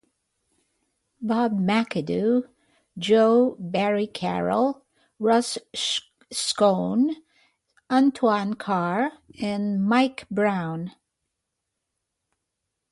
Bob McAdoo, Joe Barry Carroll, Russ Schoene, Antoine Carr, and Mike Brown.